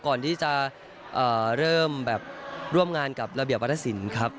ก่อนที่จะเริ่มแบบร่วมงานกับระเบียบวัฒนศิลป์ครับ